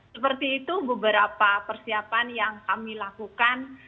seperti itu beberapa persiapan yang kami lakukan